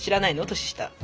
年下。